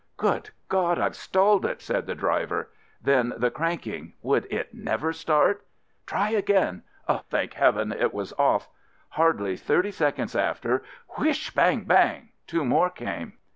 "Good God! I've stalled it," said the driver — then the cranking — would it never start — try again — thank Heaven, it was off ! Hardly thirty seconds after, whish sh —■ bang ! bang ! two more came.